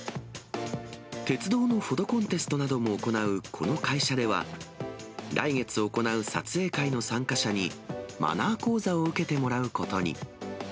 鉄道のフォトコンテストなども行うこの会社では、来月行う撮影会の参加者に、マナー講座を受けてもらうことに。